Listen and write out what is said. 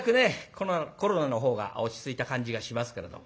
このコロナのほうが落ち着いた感じがしますけれども。